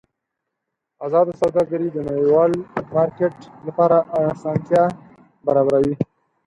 ازاده سوداګري د نړیوال مارکېټ لپاره اسانتیا برابروي.